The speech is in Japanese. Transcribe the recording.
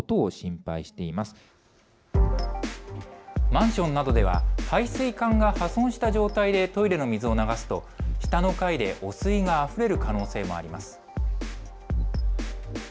マンションなどでは排水管が破損した状態でトイレの水を流すと下の階で汚水があふれる可能性もあります。